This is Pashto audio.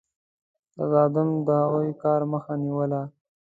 تصادم د هغوی کار مخه نیوله.